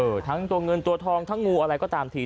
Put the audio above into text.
ทั้งตัวเงินตัวทองทั้งงูอะไรก็ตามที